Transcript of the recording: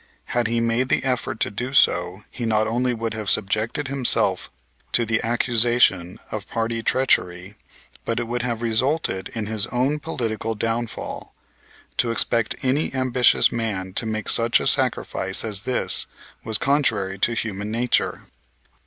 Had he made the effort to do so he not only would have subjected himself to the accusation of party treachery, but it would have resulted in his own political downfall. To expect any ambitious man to make such a sacrifice as this was contrary to human nature.